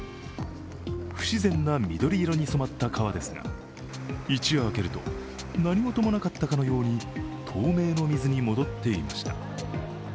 不自然な緑色に変わった川ですが一夜明けると何事もなかったかのように透明の水に戻っていました。